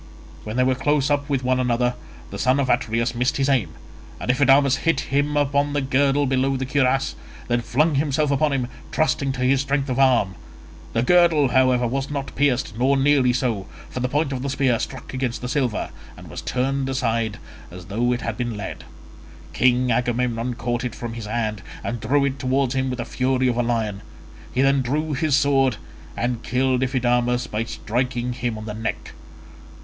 When they were close up with one another, the son of Atreus missed his aim, and Iphidamas hit him on the girdle below the cuirass and then flung himself upon him, trusting to his strength of arm; the girdle, however, was not pierced, nor nearly so, for the point of the spear struck against the silver and was turned aside as though it had been lead: King Agamemnon caught it from his hand, and drew it towards him with the fury of a lion; he then drew his sword, and killed Iphidamas by striking him on the neck.